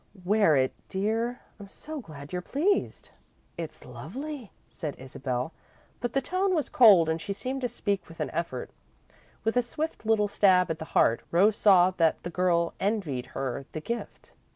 "Wear it, dear. I'm so glad you're pleased!" "It's lovely," said Isabel, but the tone was cold and she seemed to speak with an effort. With a swift little stab at the heart, Rose saw that the girl envied her the gift.